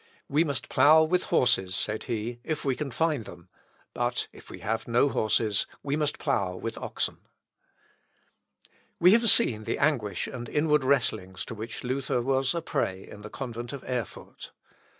"We must plough with horses," said he, "if we can find them; but if we have no horses, we must plough with oxen." Luth. Op. (W.) v, 2819. We have seen the anguish and inward wrestlings to which Luther was a prey in the convent of Erfurt.